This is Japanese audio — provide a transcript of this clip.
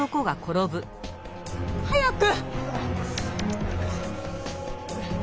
早く！